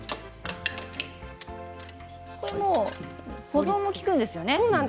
保存も利くんですよね。